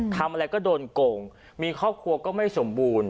ทำอะไรก็โดนโกงมีครอบครัวก็ไม่สมบูรณ์